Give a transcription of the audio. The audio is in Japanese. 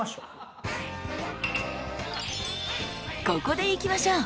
ここでいきましょう。